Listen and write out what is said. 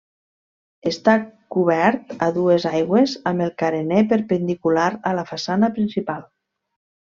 Està cobert a dues aigües amb el carener perpendicular a la façana principal.